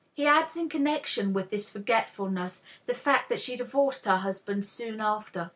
He adds in connection with this forgetfulness the fact that she divorced her husband soon after.